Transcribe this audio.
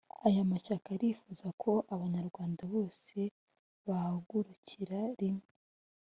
Aya mashyaka arifuza ko Abanyarwanda bose bahagurukira rimwe